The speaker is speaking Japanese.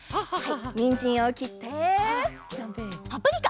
にんじんをきってパプリカ！